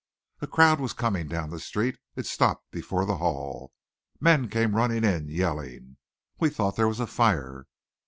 "A crowd was coming down street. It stopped before the hall. Men came running in, yelling. We thought there was a fire.